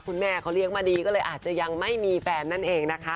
คุณแม่เขาเลี้ยงมาดีก็เลยอาจจะยังไม่มีแฟนนั่นเองนะคะ